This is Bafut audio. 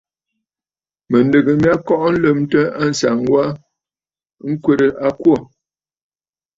Mɨ̀ndɨgə mya kɔʼɔ lɨmtə ànsaŋ wa ŋkwerə a kwô.